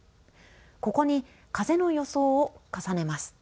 ここに風の予想を重ねます。